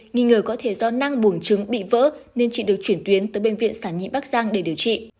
nghi ngờ có thể do năng buồn chứng bị vỡ nên chị được chuyển tuyến tới bệnh viện sản nhi bắc giang để điều trị